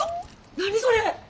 何それ！